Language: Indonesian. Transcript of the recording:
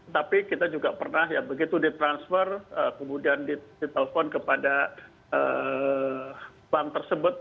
tapi kita juga pernah ya begitu ditransfer kemudian ditelepon kepada bank tersebut